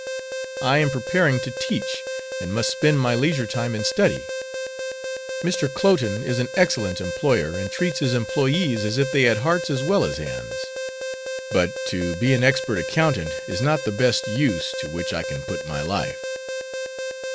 "I am preparing to teach, and must spend my leisure time in study. Mr. Cloten is an excellent employer, and treats his employés as if they had hearts as well as hands. But to be an expert accountant is not the best use to which I can put my life."